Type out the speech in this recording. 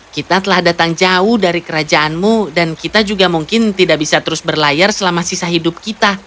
kita telah datang jauh dari kerajaanmu dan kita juga mungkin tidak bisa terus berlayar selama sisa hidup kita